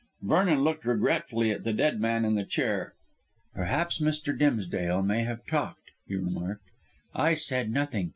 Vernon looked regretfully at the dead man in the chair. "Perhaps Mr. Dimsdale may have talked," he remarked. "I said nothing.